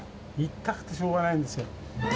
痛くてしょうがないんですよ。